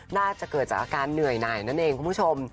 น่าจะเกิดจากอาการเหนื่อยหน่ายนั่นเองคุณผู้ชม